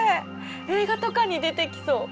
映画とかに出てきそう。